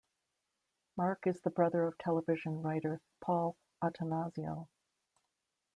Mark is the brother of television writer Paul Attanasio.